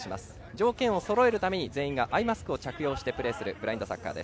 条件をそろえるために全員がアイマスクを着用してプレーするブラインドサッカー。